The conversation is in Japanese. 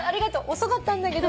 遅かったんだけど。